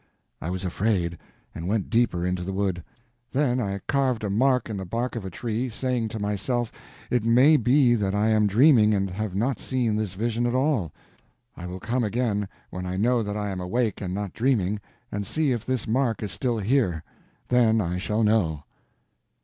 I was afraid, and went deeper into the wood. Then I carved a mark in the bark of a tree, saying to myself, it may be that I am dreaming and have not seen this vision at all. I will come again, when I know that I am awake and not dreaming, and see if this mark is still here; then I shall know.